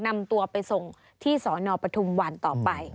นำตัวไปส่งที่สนปทุมวันต่อไป